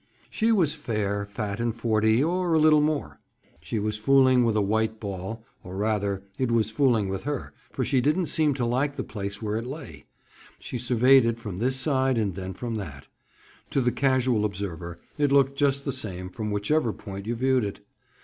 She was fair, fat and forty, or a little more. She was fooling with a white ball, or rather it was fooling with her, for she didn't seem to like the place where it lay. She surveyed it from this side and then from that. To the casual observer it looked just the same from whichever point you viewed it.